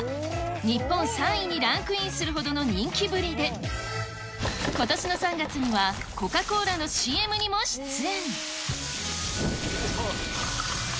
日本３位にランクインするほどの人気ぶりで、ことしの３月には、コカ・コーラのＣＭにも出演。